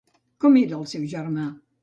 Com era el seu germà?